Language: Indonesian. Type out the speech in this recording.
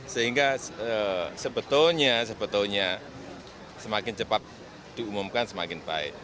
sehingga sebetulnya semakin cepat diumumkan semakin baik